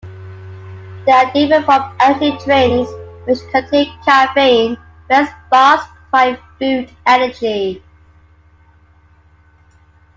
They are different from energy drinks, which contain caffeine, whereas bars provide food energy.